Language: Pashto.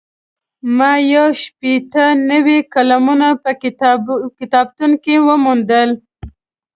ما یو شپېته نوي قلمونه په کتابتون کې وموندل.